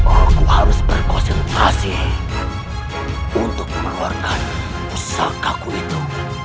aku harus berkonsentrasi untuk mengeluarkan pusaka ku itu